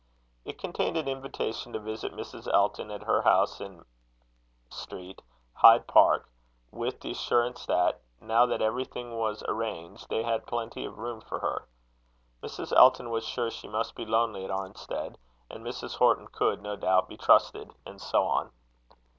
It contained an invitation to visit Mrs. Elton at her house in Street, Hyde Park, with the assurance that, now that everything was arranged, they had plenty of room for her. Mrs. Elton was sure she must be lonely at Arnstead; and Mrs. Horton could, no doubt, be trusted and so on.